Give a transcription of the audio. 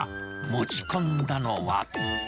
持ち込んだのは。